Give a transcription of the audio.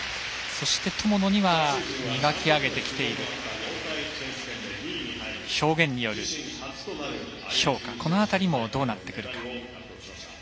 そして、友野には磨き上げてきている表現による評価の辺りもどうなってくるか。